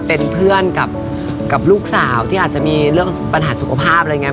เป็นเพื่อนกับลูกสาวที่อาจจะมีเรื่องปัญหาสุขภาพอะไรอย่างนี้